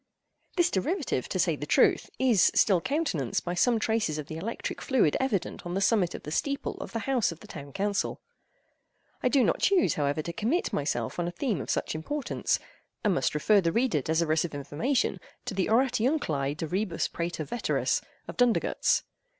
This derivative, to say the truth, is still countenanced by some traces of the electric fluid evident on the summit of the steeple of the House of the Town Council. I do not choose, however, to commit myself on a theme of such importance, and must refer the reader desirous of information to the "Oratiunculae de Rebus Praeter Veteris," of Dundergutz.